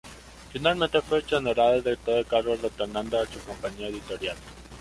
Finalmente fue exonerado de todo cargo retornando a su compañía editorial.